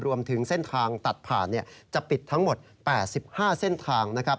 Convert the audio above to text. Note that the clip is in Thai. รวมถึงเส้นทางตัดผ่านจะปิดทั้งหมด๘๕เส้นทางนะครับ